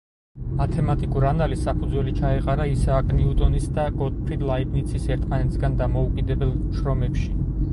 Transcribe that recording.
მათემატიკურ ანალიზს საფუძველი ჩაეყარა ისააკ ნიუტონის და გოტფრიდ ლაიბნიცის ერთმანეთისგან დამოუკიდებელ შრომებში.